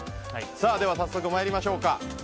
では早速、参りましょうか。